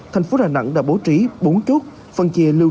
thành phố đà nẵng đã bố trí bốn chốt phân chia lưu